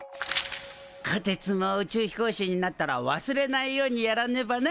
こてつも宇宙飛行士になったら忘れないようにやらねばな。